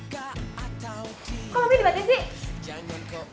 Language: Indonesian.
kok lebih dibatiin sih